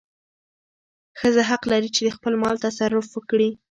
ښځه حق لري چې د خپل مال تصرف وکړي.